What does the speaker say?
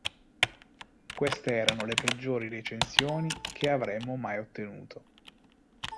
Queste erano le peggiori recensioni che avremmo mai ottenuto.